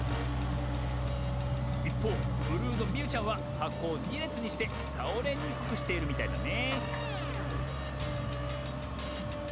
いっぽうブルーのみゆちゃんははこを２れつにしてたおれにくくしているみたいだね